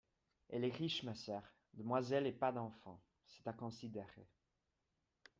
Elle est riche, ma sœur… demoiselle et pas d’enfants ! c’est à considérer.